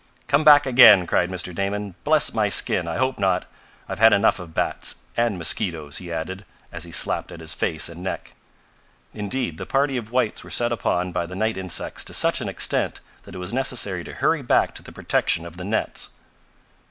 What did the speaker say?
"Come back again!" cried Mr. Damon. "Bless my skin! I hope not! I've had enough of bats and mosquitoes," he added, as he slapped at his face and neck. Indeed the party of whites were set upon by the night insects to such an extent that it was necessary to hurry back to the protection of the nets.